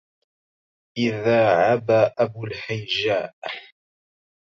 إذا عبا أبو الهيجاء